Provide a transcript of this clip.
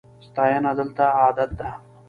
ستاینه دلته عادت ده.